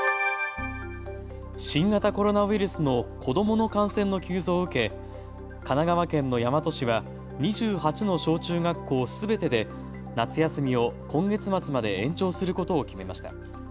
新型コロナウイルスの子どもの感染の急増を受け神奈川県の大和市は２８の小中学校すべてで夏休みを今月末まで延長することを決めました。